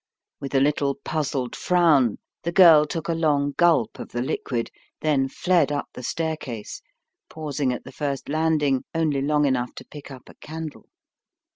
With a little puzzled frown, the girl took a long gulp of the liquid, then fled up the staircase, pausing at the first landing only long enough to pick up a candle.